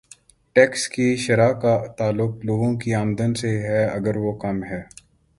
Tax کی شرح کا تعلق لوگوں کی آمدن سے ہے اگر وہ کم ہے۔